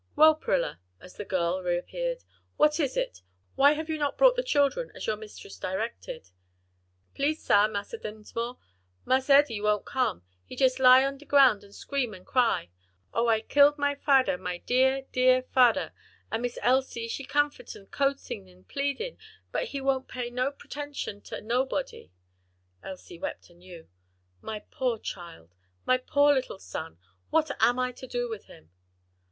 Well, Prilla," as the girl reappeared, "what is it? why have you not brought the children as your mistress directed?" "Please, sah, Massa Dinsmore, Mars Eddie won't come; he jes' lie on de ground an' scream an' cry, 'O, I've killed my fader, my dear, dear fader,' an Miss Elsie she comfortin' an' coaxin', an' pleadin', but he won't pay no pretention to nobody." Elsie wept anew. "My poor child! my poor little son! what am I to do with him?"